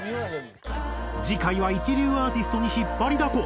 次回は一流アーティストに引っ張りだこ！